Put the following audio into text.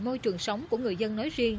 môi trường sống của người dân nói riêng